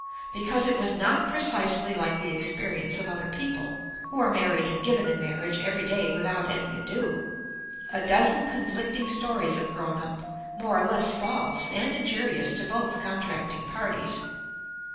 Because it was not precisely like the experience of other people, who are married and given in marriage every day without any ado, a dozen conflicting stories have grown up, more or less false and injurious to both contracting parties.